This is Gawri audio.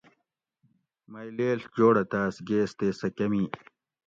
مئ لیڷ جوڑہ تاۤس گیس تے سہۤ کۤمی